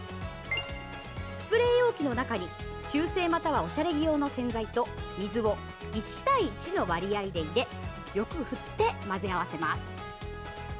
スプレー容器の中に中性またはおしゃれ着用の洗剤と水を１対１の割合で入れよく振って混ぜ合わせます。